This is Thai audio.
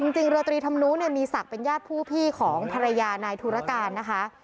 เรือตรีธรรมนุเนี่ยมีศักดิ์เป็นญาติผู้พี่ของภรรยานายธุรการนะคะ